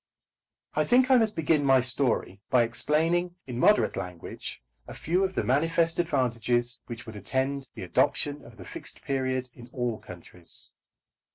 I think I must begin my story by explaining in moderate language a few of the manifest advantages which would attend the adoption of the Fixed Period in all countries.